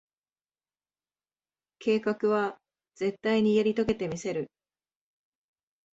計画は、絶対にやり遂げてみせる。